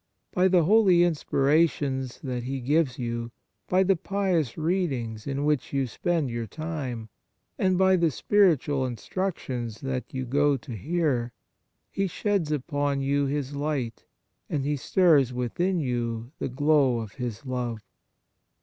By the holy inspira tions that He gives you, by the pious readings in which you spend your time, and by the spiritual instructions that you go to hear, He sheds upon you His light, and He stirs within you the glow of His love.